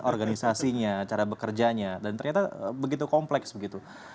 organisasinya cara bekerjanya dan ternyata begitu kompleks begitu